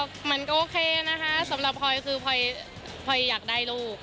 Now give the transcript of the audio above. เหมือนก็โอเคนะคะสำหรับพลอยคือพลอยอยากได้ลูก